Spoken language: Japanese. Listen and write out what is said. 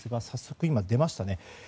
早速、出ましたね。